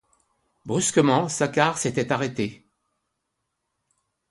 Brusquement, Saccard s'était arrêté.